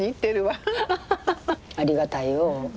ありがたいよ。